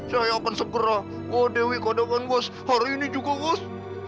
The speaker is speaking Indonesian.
saya akan segera membawa dewi ke hadapan bos hari ini juga bos